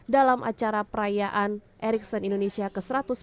dalam acara perayaan ericsson indonesia ke satu ratus sepuluh